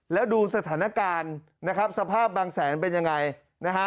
แล้วดูสถานการณ์นะครับสภาพบางแสนเป็นยังไงนะฮะ